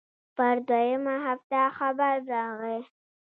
پر دويمه هفته خبر راغى.